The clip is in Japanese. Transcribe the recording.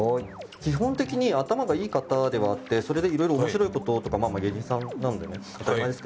基本的に頭がいい方ではあってそれでいろいろ面白い事とかまあ芸人さんなんでね当たり前ですけど。